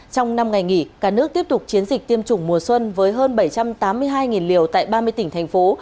trong năm ngày nghỉ cả nước tiếp tục chiến dịch tiêm chủng mùa xuân với hơn bảy trăm tám mươi hai liều tại ba mươi tỉnh thành phố